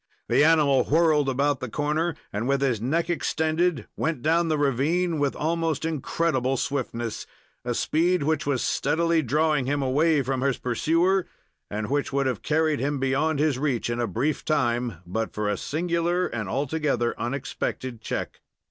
The animal whirled about the corner, and, with his neck extended, went down the ravine with almost incredible swiftness a speed which was steadily drawing him away from his pursuer, and which would have carried him beyond his reach in a brief time, but for a singular and altogether unexpected check.